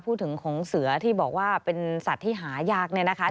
พูดถึงของเสือที่บอกว่าเป็นสัตว์ที่หายากเนี่ยนะคะ